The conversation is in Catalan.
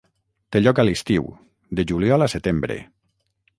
Té lloc a l'estiu, de juliol a setembre.